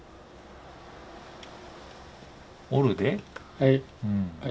はい。